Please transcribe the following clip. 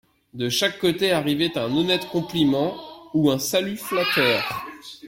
De chaque côté arrivait un honnête compliment ou un salut flatteur.